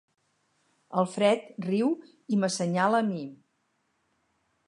El Fred riu i m'assenyala a mi.